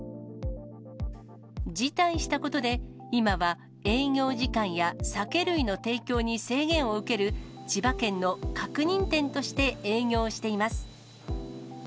辞退したことで、今は営業時間や酒類の提供に制限を受ける、千葉県の確認店として営業しています。